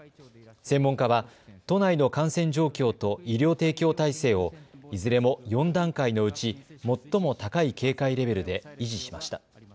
専門家は都内の感染状況と医療提供体制をいずれも４段階のうち最も高い警戒レベルで維持しました。